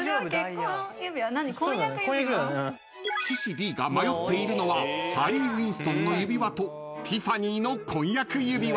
［岸Ｄが迷っているのはハリー・ウィンストンの指輪とティファニーの婚約指輪］